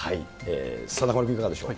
中丸君、いかがでしょう。